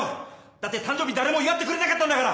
だって誕生日誰も祝ってくれなかったんだから！